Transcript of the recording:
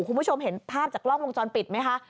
คุณผู้ชมเห็นภาพจากกล้องวงจรปิดไหมคะ